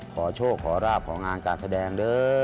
ขอโชคขอราบของานการแสดงเด้อ